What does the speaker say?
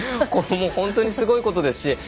本当にすごいことです